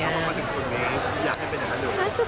พอมาถึงจุดนี้อยากให้เป็นอย่างนั้นอยู่